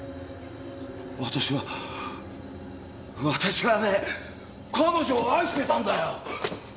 私は私はね彼女を愛していたんだよ。